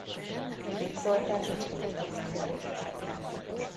Fritz Zoltán Kecskeméten született.